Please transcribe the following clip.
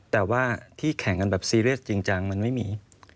แต่ว่าที่แข่งกันแบบซีเรียสจริงจังมันไม่มี